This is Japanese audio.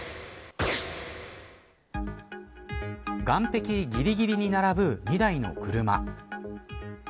岸壁ぎりぎりに並ぶ２台の車。